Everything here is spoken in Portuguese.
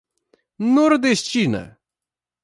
Nordestina